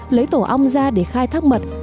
lấy tổ ong ra để khai thác mật